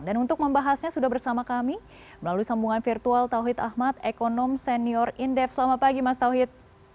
dan untuk membahasnya sudah bersama kami melalui sambungan virtual tauhid ahmad ekonom senior indef selamat pagi mas tauhid